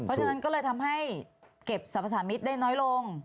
เพราะฉะนั้นก็เลยทำให้เก็บสรรพสามิตรได้น้อยลง